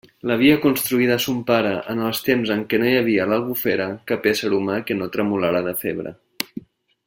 L'havia construïda son pare en els temps en què no hi havia a l'Albufera cap ésser humà que no tremolara de febre.